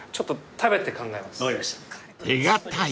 ［手堅い］